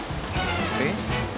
えっ？